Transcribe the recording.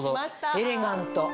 エレガント。